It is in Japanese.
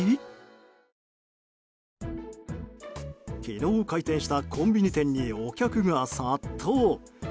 昨日開店したコンビニ店にお客が殺到。